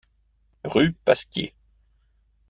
Rue Pasquier.